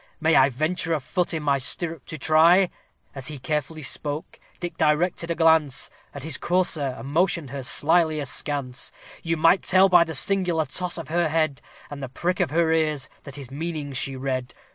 May I venture a foot in my stirrup to try?" As he carelessly spoke, Dick directed a glance At his courser, and motioned her slyly askance: You might tell by the singular toss of her head, And the prick of her ears, that his meaning she read.